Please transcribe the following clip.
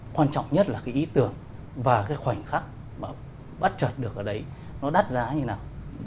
quan trọng nhất là cái ý tưởng và cái khoảnh khắc mà bắt trệt được ở đấy nó đắt giá như nào